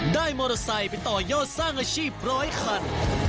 ได้มอเตอร์ไซค์ไปต่อยอดสร้างอาชีพร้อยคัน